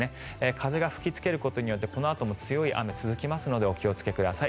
風が吹きつけることによってこのあとも強い雨続きますのでお気をつけください。